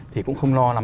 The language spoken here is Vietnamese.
thì cũng không lo lắm